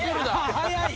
早い！